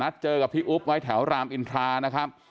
เจอกับพี่อุ๊บไว้แถวรามอินทรานะครับ